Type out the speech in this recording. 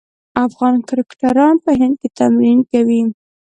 افغان کرکټران په هند کې تمرین کوي.